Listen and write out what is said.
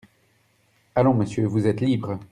Allons, monsieur, vous êtes libre.